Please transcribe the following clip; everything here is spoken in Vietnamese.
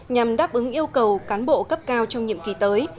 nhằm đáp ứng yêu cầu cán bộ cấp cao trong nhiệm kỳ tới